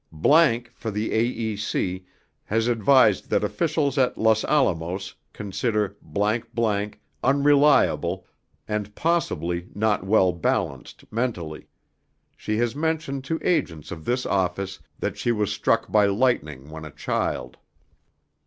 ____ for the A.E.C., has advised that officials at Los Alamos consider ________ unreliable and possibly not well balanced mentally. She has mentioned to agents of this office that she was struck by lightning when a child.